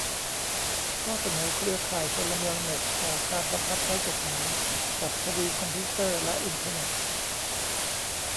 ข้อเสนอเครือข่ายพลเมืองเน็ต ต่อการบังคับใช้กฎหมายกับคดีคอมพิวเตอร์และอินเทอร์เน็ต